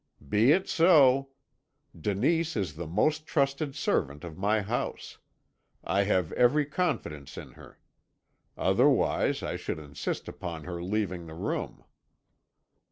"'Be it so. Denise is the most trusted servant of my house; I have every confidence in her. Otherwise, I should insist upon her leaving the room.'